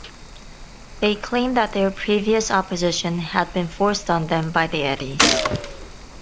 They claimed that their previous opposition had been forced on them by the Eddies.